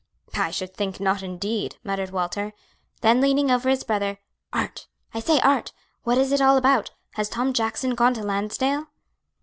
"I should think not, indeed!" muttered Walter. Then leaning over his brother, "Art, I say, Art! what is it all about? Has Tom Jackson gone to Lansdale?"